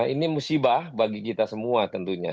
ini musibah bagi kita semua tentunya